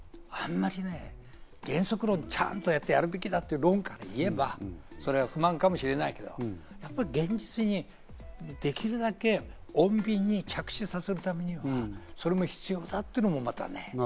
あまりね、原則論でちゃんとやるべきだという方からすると不満かもしれないですが、できるだけ穏便に着地させるためには、それも必要だというのも、またね。